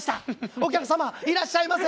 お客様いらっしゃいませ。